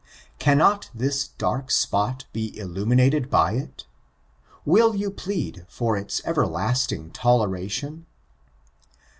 Cannot this dark spot be illuminated by iti Will you plead for its everlasting toleration.